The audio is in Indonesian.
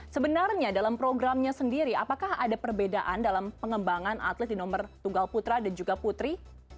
sebenarnya dalam programnya sendiri apakah ada perbedaan dalam pengembangan atlet di nomor tunggal putra dan juga putri